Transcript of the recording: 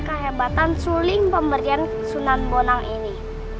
kehebatan suling pemberian sunan bonang ini